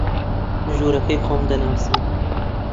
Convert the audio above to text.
ژوورەکەی خۆم دەناسم